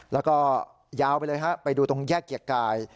แล้วก็ยาวไปดูให้ดูตรงแยกเกียรติกาย